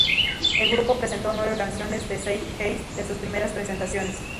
El grupo presentó nueve canciones de "Zeitgeist" en sus primeras presentaciones.